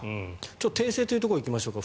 訂正というところにいきましょうか。